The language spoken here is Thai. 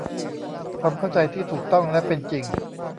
ความเข้าใจที่ถูกต้องและเป็นจริง